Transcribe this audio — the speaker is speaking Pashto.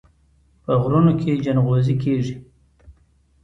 په غرونو کې ځنغوزي کیږي.